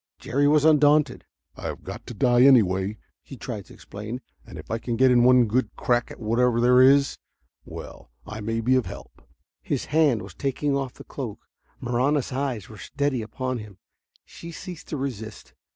Jerry was undaunted. "I've got to die anyway," he tried to explain, "and if I can get in one good crack at whatever is there well, I may be of help." His hand was taking off the cloak. Marahna's eyes were steady upon him. She ceased to resist.